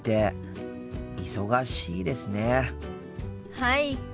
はい。